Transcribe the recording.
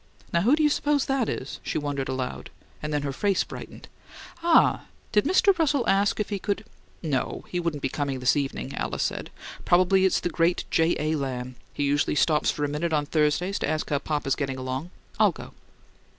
"Now, who do you suppose that is?" she wondered aloud, then her face brightened. "Ah did Mr. Russell ask if he could " "No, he wouldn't be coming this evening," Alice said. "Probably it's the great J. A. Lamb: he usually stops for a minute on Thursdays to ask how papa's getting along. I'll go."